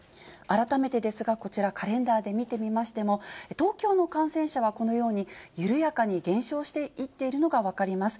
改めてですが、こちら、カレンダーで見てみましても、東京の感染者は、このように緩やかに減少していっているのが分かります。